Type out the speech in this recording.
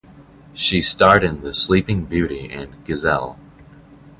She starred in "The Sleeping Beauty" and "Giselle".